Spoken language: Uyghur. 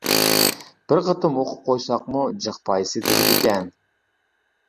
بىر قېتىم ئوقۇپ قويساقمۇ جىق پايدىسى تېگىدىكەن.